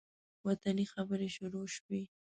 وطني خبرې شروع شوې.